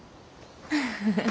フフフフ。